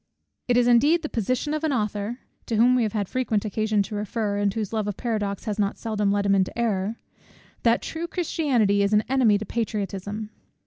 It is indeed the position of an author, to whom we have had frequent occasion to refer, and whose love of paradox has not seldom led him into error, that true Christianity is an enemy to patriotism.